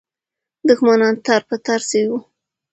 دښمنان تار په تار سوي وو.